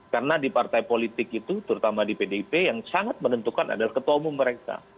karena di partai politik itu terutama di pdip yang sangat menentukan adalah ketua umum mereka